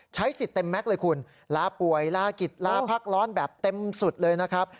ใช้สิทธิ์เต็มแม็กซ์เลยคุณลาป่วยลากิจลาพักร้อนแบบเต็มสุดเลยนะครับ